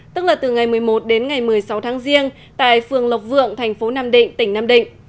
tức là từ ngày một mươi một đến ngày một mươi sáu tháng riêng tại phường lộc vượng thành phố nam định tỉnh nam định